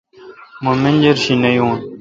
مہ منجر شی نہ یون